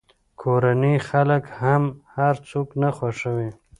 کورني خلک هم هر څوک نه خوښوي.